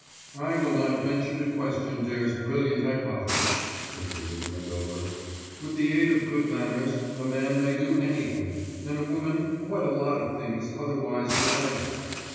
"I will not venture to question Dare's brilliant hypothesis," continued Windover. "With the aid of good manners a man may do anything, and a woman quite a lot of things otherwise denied her.